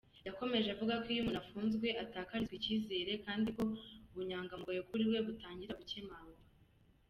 Yakomeje avuga iyo umuntu afunzwe atakarizwa icyizere kandi ko ubumunyangamugayo kuri we butangira gucyemangwa.